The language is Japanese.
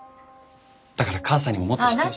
だから母さんにももっと知って。